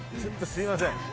すみません。